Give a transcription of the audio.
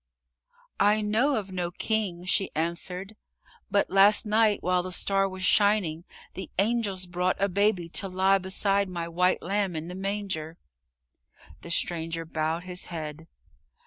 "I know of no king," she answered, "but last night while the star was shining, the angels brought a baby to lie beside my white lamb in the manger." The stranger bowed his head.